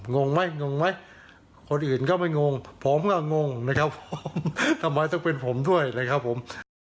งงไหมงงไหมคนอื่นก็ไม่งงผมก็งงนะครับผมทำไมต้องเป็นผมด้วยเลยครับผม